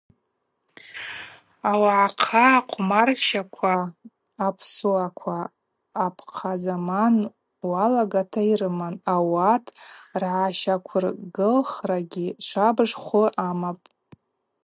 Ауагӏахъа хъвмарщаква апсуаква апхъазаман уалагата йрыман, ауат ргӏащаквыргылхрагьи швабыж хвы амапӏ.